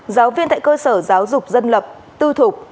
giáo viên tại cơ sở giáo dục dân lập tư thục